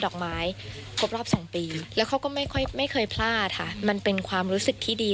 ก็ไม่เคยพลาดค่ะมันเป็นความรู้สึกที่ดี